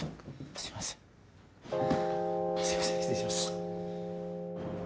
すいません失礼します